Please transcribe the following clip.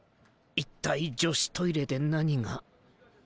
一体女子トイレで何が。